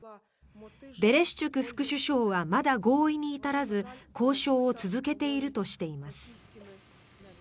ベレシュチュク副首相はまだ合意に至らず交渉を続けているとしています。